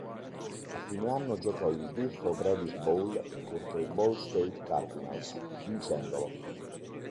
A fine anno giocò il Beef O'Brady's Bowl contro i Ball State Cardinals, vincendolo.